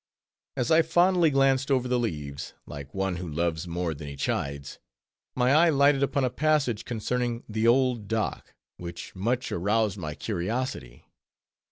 As I fondly glanced over the leaves, like one who loves more than he chides, my eye lighted upon a passage concerning "The Old Dock," which much aroused my curiosity.